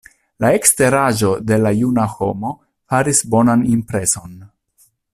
La eksteraĵo de la juna homo faris bonan impreson.